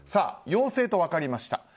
陽性と分かりました。